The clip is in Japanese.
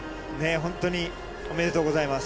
本当にお２人、おめでとうございます。